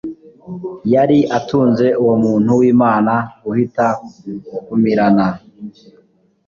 yari atunze uwo muntu w Imana guhita kumirana